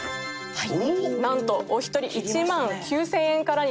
はい。